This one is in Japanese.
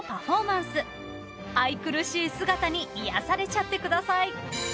［愛くるしい姿に癒やされちゃってください］